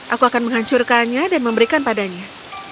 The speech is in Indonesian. aku akan menghancurkannya dan memberikan padanya